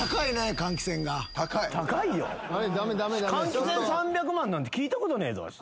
換気扇３００万なんて聞いたことねえぞわし。